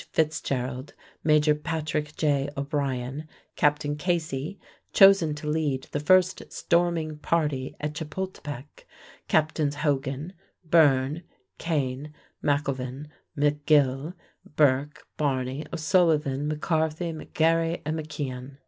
Fitzgerald, Major Patrick J. O'Brien; Captain Casey, chosen to lead the first storming party at Chapultepec; Captains Hogan, Byrne, Kane, McElvin, McGill, Burke, Barny, O'Sullivan, McCarthy, McGarry, and McKeon.